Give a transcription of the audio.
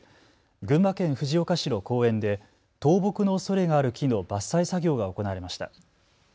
群馬県藤岡市の公園で倒木のおそれがある木の伐採作業が行われました。